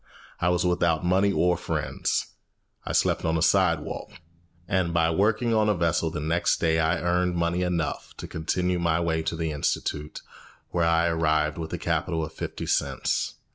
I was without money or friends. I slept on a sidewalk; and by working on a vessel the next day I earned money enough to continue my way to the institute, where I arrived with a capital of fifty cents.